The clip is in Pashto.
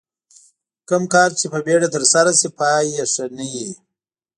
کوم کار چې په بیړه ترسره شي پای یې ښه نه وي.